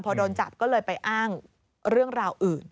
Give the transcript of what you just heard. พอโดนจับก็เลยไปอ้างเรื่องราวอื่น